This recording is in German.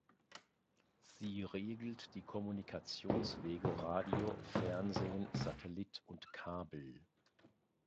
Sie regelt die Kommunikationswege Radio, Fernsehen, Satellit und Kabel.